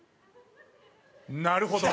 なるほど。